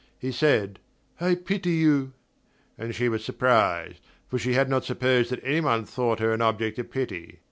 He said: "I pity you," and she was surprised, for she had not supposed that any one thought her an object of pity.